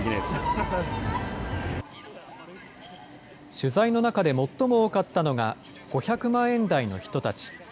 取材の中で最も多かったのが、５００万円台の人たち。